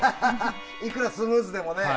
いくらスムーズでもね。